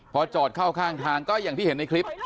พอจอดเข้าข้างทางก็อย่างที่เห็นในคลิป